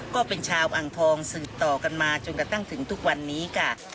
ก็เป็นชาวอ่างทองต่อกันมาจนกด้วยตั้งถึงทุกวันนี้กะ